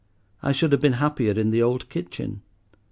I should have been happier in the old kitchen.